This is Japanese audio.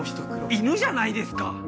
犬じゃないですか。